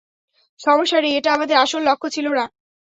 সমস্যা নেই, এটা আমাদের আসল লক্ষ্য ছিল না।